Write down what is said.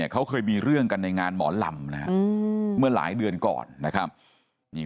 เขาเคยมีเรื่องกันในงานหมอลำเมื่อหลายเดือนก่อน